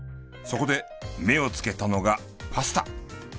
そこで目をつけたのがパスタ。